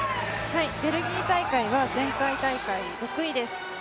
ベルギーは前回大会６位です